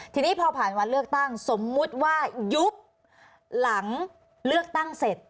ทีนี้พอผ่านวันเลือกตั้งสมมุติว่ายุบหลังเลือกตั้งเสร็จ